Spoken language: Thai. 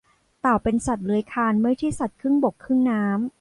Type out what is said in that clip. เต่าเป็นสัตว์เลื้อยคลานไม่ใช่สัตว์ครึ่งบกครึ่งน้ำ